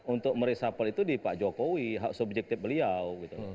untuk meresapel itu di pak jokowi hak subjektif beliau